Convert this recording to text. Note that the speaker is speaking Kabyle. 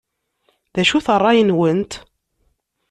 D acu-t ṛṛay-nwent?